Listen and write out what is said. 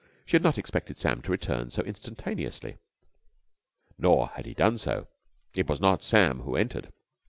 She had not expected Sam to return so instantaneously. Nor had he done so. It was not Sam who entered.